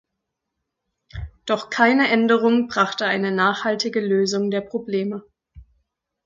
Doch keine Änderung brachte eine nachhaltige Lösung der Probleme.